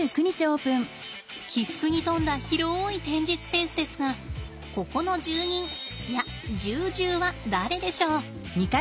起伏に富んだ広い展示スペースですがここの住人いや住獣は誰でしょう？